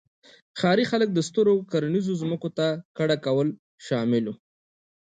ښاري خلک سترو کرنیزو ځمکو ته کډه کول شامل وو